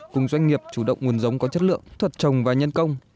cùng doanh nghiệp chủ động nguồn giống có chất lượng thuật trồng và nhân công